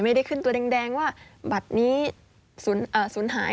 ไม่ได้ขึ้นตัวแดงว่าบัตรนี้สูญหาย